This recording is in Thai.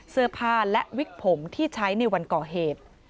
เสื้อผ้าและวิกผมที่ใช้ในวันก่อเหตุ